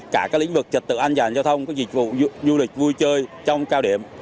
các lĩnh vực trật tự an toàn giao thông có dịch vụ du lịch vui chơi trong cao điểm